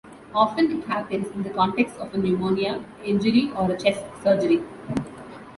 Often it happens in the context of a pneumonia, injury, or chest surgery.